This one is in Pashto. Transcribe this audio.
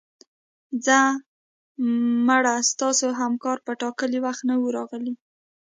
ځه مړه ستاسو همکار په ټاکلي وخت نه و راغلی